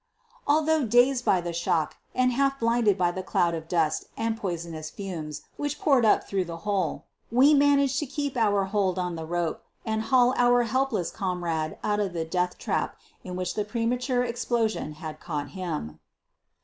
Although dazed by the shock and half blinded by the cloud of dust and poisonous fumes which poured up through the hole, we managed to keep our hold on the rope and haul our helpless comrade out of the death trap in which the premature explosion had caught him.